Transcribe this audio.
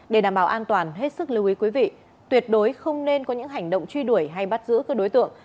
để đảm bảo an toàn hết sức lưu ý quý vị tuyệt đối không nên có những hành động truy đuổi hay bắt giữ các đối tượng